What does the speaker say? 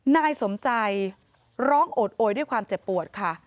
นายสมใจร้องโอดโอยด้วยความเจ็บปวดค่ะ